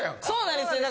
そうなんです。